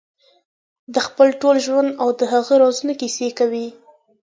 د خپل ټول ژوند او د هغه رازونو کیسې کوي.